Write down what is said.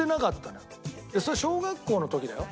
それ小学校の時だよ。